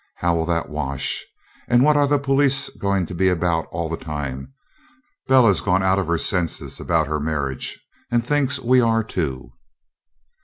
How will that wash? And what are the police going to be about all the time? Bella's gone out of her senses about her marriage and thinks we are too.'